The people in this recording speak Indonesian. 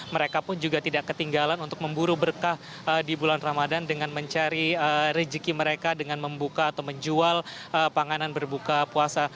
mereka pun juga tidak ketinggalan untuk memburu berkah di bulan ramadan dengan mencari rezeki mereka dengan membuka atau menjual panganan berbuka puasa